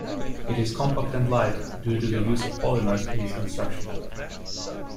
It is compact and light, due to the use of polymers in its construction.